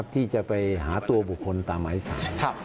ที่จะไปหาตัวบุคคลตามหมายสาร